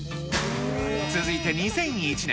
続いて２００１年。